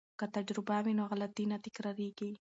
که تجربه وي نو غلطي نه تکراریږي.